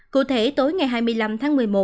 cụ thể tối ngày hai mươi năm tháng một mươi một